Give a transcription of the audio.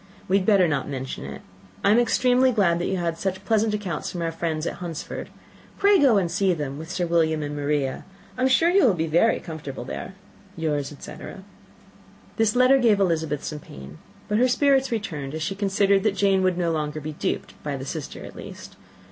We had better not mention it. I am extremely glad that you have such pleasant accounts from our friends at Hunsford. Pray go to see them, with Sir William and Maria. I am sure you will be very comfortable there. "Yours, etc." This letter gave Elizabeth some pain; but her spirits returned, as she considered that Jane would no longer be duped, by the sister at least.